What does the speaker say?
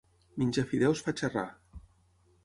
Menjar fideus fa xerrar.